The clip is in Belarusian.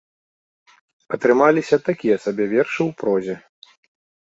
Атрымаліся такія сабе вершы ў прозе.